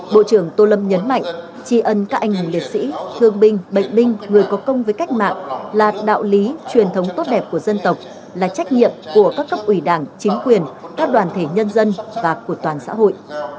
bộ trưởng tô lâm nhấn mạnh tri ân các anh hùng liệt sĩ thương binh bệnh binh người có công với cách mạng là đạo lý truyền thống tốt đẹp của dân tộc là trách nhiệm của các cấp ủy đảng chính quyền các đoàn thể nhân dân và của toàn xã hội